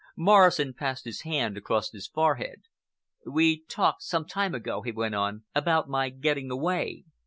Morrison passed his hand across his forehead. "We talked—some time ago," he went on, "about my getting away.